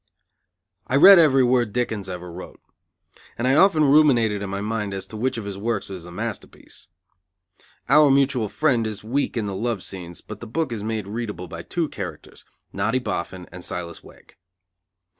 I read every word Dickens ever wrote; and I often ruminated in my mind as to which of his works is the masterpiece. Our Mutual Friend is weak in the love scenes, but the book is made readable by two characters, Noddy Boffin and Silas Wegg.